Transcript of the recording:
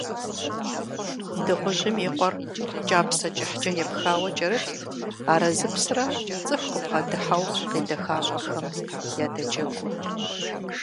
Дыгъужьым и къуэр кӀапсэ кӀыхькӀэ епхауэ кӀэрытт, арэзыпсрэ цӀыху къыбгъэдыхьэу къедэхащӀэхэм ядэджэгуу.